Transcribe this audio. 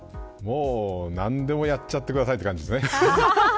何でもやっちゃってくださいという感じですね。